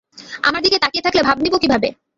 আমার দিকে তাকিয়ে থাকলে ভাব নিবো কিভাবে?